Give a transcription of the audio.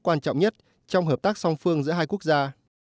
quan trọng nhất trong hợp tác song phương giữa hai quốc gia